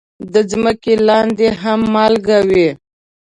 د ځمکې لاندې هم مالګه وي.